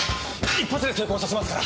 １発で成功させますから！